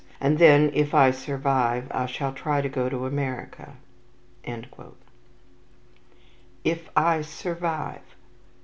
And then, if I survive, I shall try to go to America." "If I survive!"